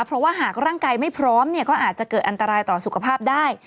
เพราะว่าหากร่างกายไม่พร้อมเนี่ยก็อาจจะเกิดอันตรายต่อสุขภาพได้